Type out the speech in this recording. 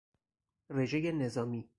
رژه نظامی